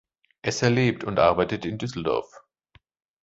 Esser lebt und arbeitet in Düsseldorf.